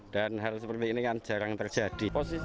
hal seperti ini kan jarang terjadi